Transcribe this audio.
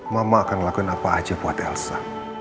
mama akan lakukan apa aja buat elsa